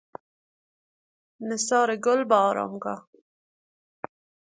نثار گل به آرامگاه